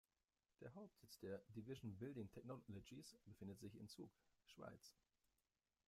Der Hauptsitz der Division Building Technologies befindet sich in Zug, Schweiz.